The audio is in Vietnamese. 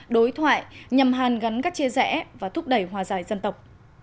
đối thoại nhằm hàn gắn các chia rẽ và thúc đẩy hòa giải dân tộc